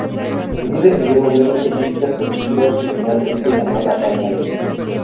Allí recibió mayormente críticas positivas y finalmente ganó la Palma de Oro.